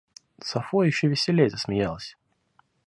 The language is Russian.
Сафо еще веселее засмеялась.